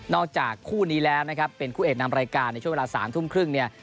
จากคู่นี้แล้วนะครับเป็นคู่เอกนำรายการในช่วงเวลา๓ทุ่มครึ่งเนี่ย